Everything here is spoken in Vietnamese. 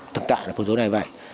thực tại là phần dối này vậy